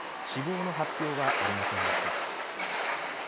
死亡の発表はありませんでした。